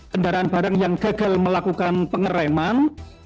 kendaraan barang yang gagal melakukan pengereman